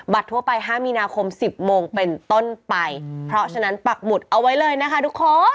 ทั่วไป๕มีนาคม๑๐โมงเป็นต้นไปเพราะฉะนั้นปักหมุดเอาไว้เลยนะคะทุกคน